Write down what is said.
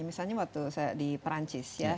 misalnya waktu saya di perancis ya